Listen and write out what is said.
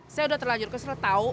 saya udah terlanjur kesel tau